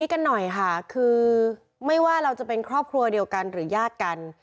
กันหน่อยค่ะคือไม่ว่าเราจะเป็นครอบครัวเดียวกันหรือญาติกัน